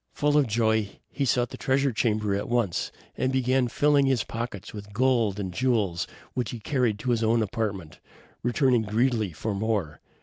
Full of joy, he sought the treasure chamber at once, and began filling his pockets with gold and jewels, which he carried to his own apartment, returning greedily for more.